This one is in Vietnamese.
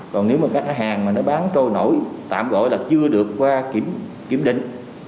còn nếu mà các hàng mà nó bán trôi nổi tạm gọi là chưa được kiểm định